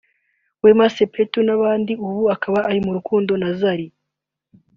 Wema Sepetu n’abandi ubu akaba ari mu rukundo na Zari